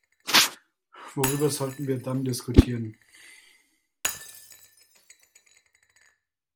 Worüber sollten wir dann diskutieren?